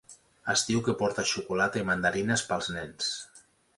Es diu que porta xocolata i mandarines pels nens.